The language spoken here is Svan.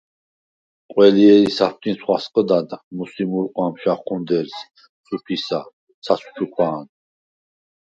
ყველჲერი საფტინს ხვასყჷდად მუსი მუ̄რყვამს ჟაჴუნდერს, სუფისა, ცაცხვ ჩუქვა̄ნ.